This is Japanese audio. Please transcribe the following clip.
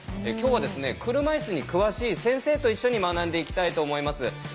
今日は車いすに詳しい先生と一緒に学んでいきたいと思います。